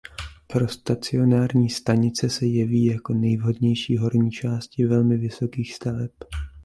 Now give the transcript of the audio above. Pro stacionární stanice se jeví jako nejvhodnější horní části velmi vysokých staveb.